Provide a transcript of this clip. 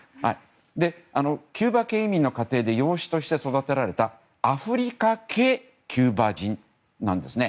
キューバ系移民の家庭で養子として育てられたアフリカ系キューバ人なんです。